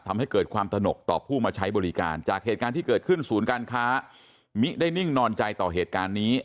ทำให้เกิดความถนกต่อผู้มาใช้บริการจากเหตุการณ์ที่เกิดขึ้นศูนย์การค้ามิได้นิ่งนอนใจต่อเหตุการณ์นี้